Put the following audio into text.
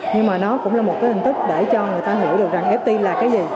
nhưng mà nó cũng là một cái hình thức để cho người ta hiểu được rằng ft là cái gì